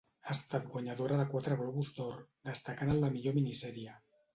Ha estat guanyadora de quatre Globus d'Or, destacant el de millor Minisèrie.